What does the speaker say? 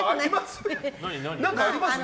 何かありますね。